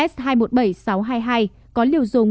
s hai trăm một mươi bảy nghìn sáu trăm hai mươi hai có liều dùng